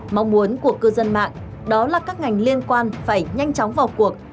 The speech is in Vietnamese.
mong muốn của cư dân mạng đó là các ngành liên quan phải nhanh chóng vào cuộc